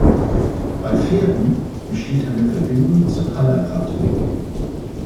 Bei Verden besteht eine Verbindung zum Aller-Radweg.